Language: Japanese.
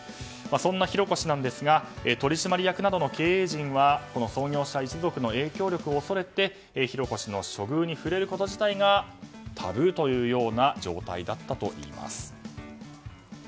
そんな浩子氏ですが取締役などの経営陣は創業者一族の影響力を恐れて浩子氏の処遇に触れること自体がタブーというような状態だったといいます。